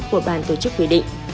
của ban tổ chức quy định